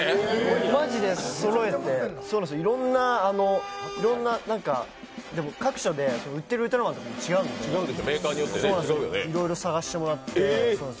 マジでそろえていろんな、各所で売ってるウルトラマンとかも違うのでいろいろ探してもらって。